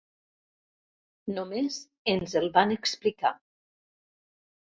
Només ens el van explicar.